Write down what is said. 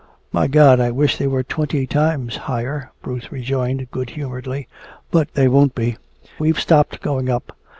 "My God, I wish they were twenty times higher," Bruce rejoined good humoredly. "But they won't be we've stopped going up.